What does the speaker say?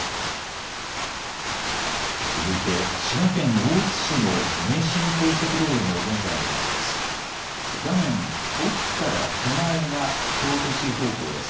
続いて滋賀県大津市の名神高速道路の現在の様子です。